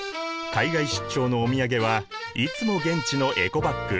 海外出張のお土産はいつも現地のエコバッグ。